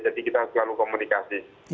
jadi kita selalu komunikasi